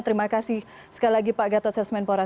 terima kasih sekali lagi pak gatot sesmenpora